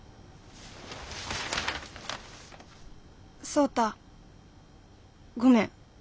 「創太ごめん。